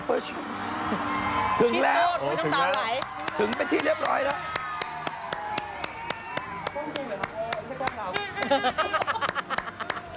พี่ตูนไปที่เรียบร้อยแล้ว